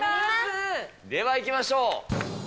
ではいきましょう。